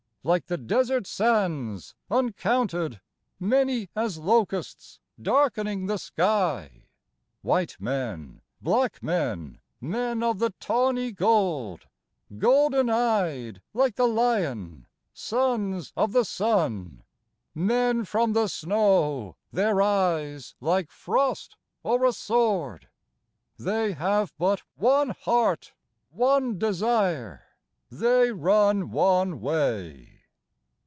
Like the desert sands Uncounted, many as locusts, darkening the sky ? White men, black men, men of the tawny gold, Golden eyed like the lion, sons of the sun, Men from the snow, their eyes like frost or a sword ; They have but one heart, one desire, they run one way.